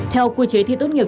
theo quy chế thi tốt nghiệp